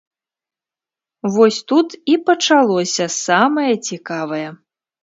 Вось тут і пачалося самае цікавае!